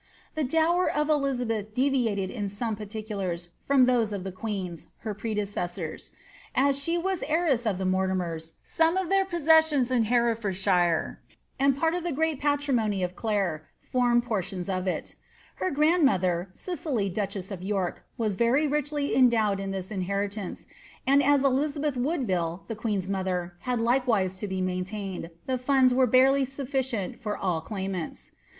The dower of Elizabeth deviated in some particulars from those of the queens, her predecessors : as she was heiress of the Mortimers, some of their possessions in Herefordshire, and part of the great patrimony of Clare, formed portions of it Her grandmother, Cicely duchess of York, was very richly endowed on this inheritance ; and as Elizabeth Wood ville, the queen's mother, had likewise to be maintained, the funds were barely sufficient for all claimants.